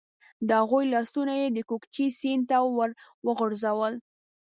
د هغوی لاسونه یې د کوکچې سیند ته ور وغورځول.